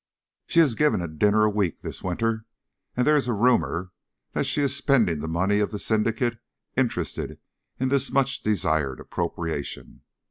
"She has given a dinner a week this winter, and there is a rumour that she is spending the money of the syndicate interested in this much desired appropriation.